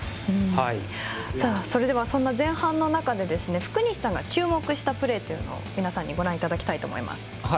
それではそんな前半の中で福西さんが注目したプレーを皆さんにご覧いただきたいと思います。